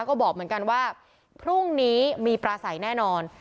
ก็บอกเหมือนกันว่าพรุ่งนี้มีปลาใสแน่นอน